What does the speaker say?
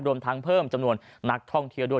รวมทั้งเพิ่มจำนวนนักท่องเที่ยวด้วย